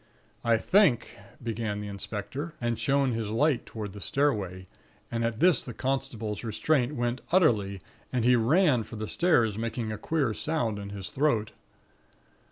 "'I think ' began the inspector, and shone his light toward the stairway; and at this the constable's restraint went utterly, and he ran for the stairs, making a queer sound in his throat.